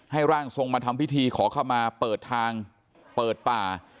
ร่างทรงมาทำพิธีขอเข้ามาเปิดทางเปิดป่า